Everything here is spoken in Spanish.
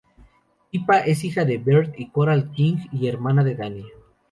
Pippa es hija de Bert y Coral King y hermana de Danny.